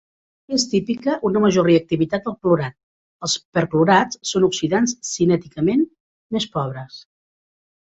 És típica una major reactivitat del clorat; els perclorats són oxidants cinèticament més pobres.